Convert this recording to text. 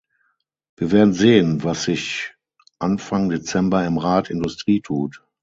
Wir werden sehen, was sich Anfang Dezember im Rat "Industrie" tut.